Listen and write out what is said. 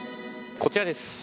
こちらです。